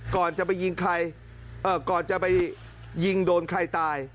ก่อนจะไปยิงใครก่อนจะไปยิงโดนใครตาย